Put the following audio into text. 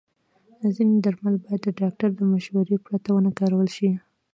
ځینې درمل باید د ډاکټر له مشورې پرته ونه کارول شي.